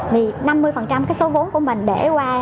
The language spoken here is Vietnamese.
vì năm mươi cái số vốn của mình để qua